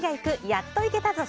やっと行けたぞ！